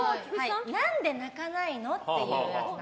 なんで泣かないの？っていう。